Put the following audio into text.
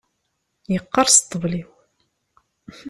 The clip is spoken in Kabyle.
Yeqqerṣ ṭṭbel-iw.